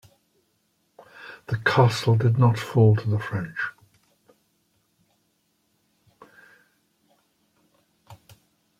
The castle did not fall to the French.